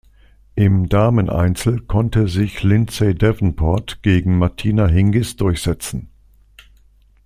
Im Dameneinzel konnte sich Lindsay Davenport gegen Martina Hingis durchsetzen.